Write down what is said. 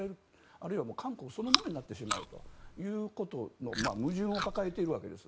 あるいは韓国そのものになってしまうということの矛盾を抱えているわけです。